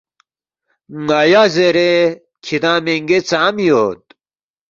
”ن٘یا زیرے کِھدانگ مِنگے ژام یود؟“